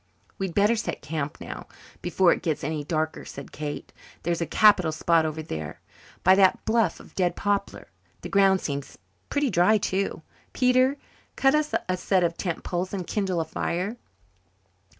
"We'd better set camp now, before it gets any darker," said Kate. "There's a capital spot over there, by that bluff of dead poplar. The ground seems pretty dry too. Peter, cut us a set of tent poles and kindle a fire."